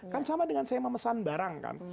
kan sama dengan saya memesan barang kan